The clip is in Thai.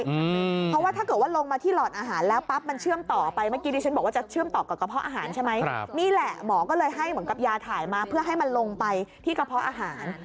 เพราะว่าถ้าเกิดว่าลงมาที่หลอดอาหารแล้วปั๊บมันเชื่อมต่อไปเมื่อกี้ดิฉันบอกว่าจะเชื่อมต่อกับกระเพาะอาหารใช่ไหมครับนี่แหละหมอก็เลยให้เหมือนกับยาถ่ายมาเพื่อให้มันลงไปที่กระเพาะอาหาร